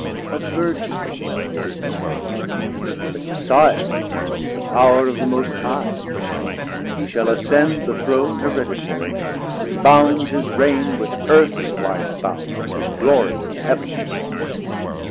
A Virgin is his Mother, but his Sire The Power of the most High; he shall ascend The Throne hereditarie, and bound his Reign With earths wide bounds, his glory with the Heav'ns.